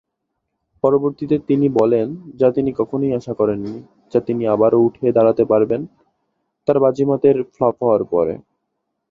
পরবর্তিতে তিনি বলেন যা তিনি কখনই আশা করেননি যা তিনি আবারো উঠে দাঁড়াতে পারবেন, তার "বাজিমাত"-এর ফ্লপ হওয়ার পরে।